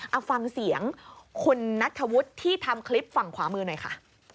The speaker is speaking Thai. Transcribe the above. เอาฟังเสียงคุณนัทธวุฒิที่ทำคลิปฝั่งขวามือหน่อยค่ะ